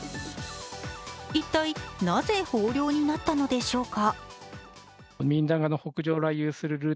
一体、なぜ豊漁になったのでしょうか。